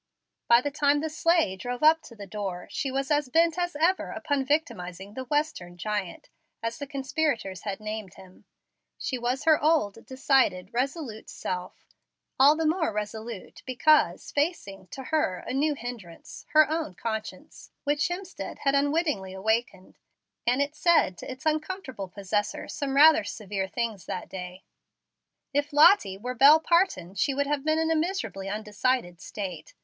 By the time the sleigh drove up to the door she was as bent as ever upon victimizing the "Western giant," as the conspirators had named him. She was her old, decided, resolute self; all the more resolute because facing, to her, a new hindrance, her own conscience, which Hemstead had unwittingly awakened; and it said to its uncomfortable possessor some rather severe things that day. If Lottie were Bel Parton, she would have been in a miserably undecided state.